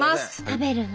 食べるの？